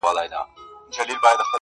ښه خلک مینه خپروي.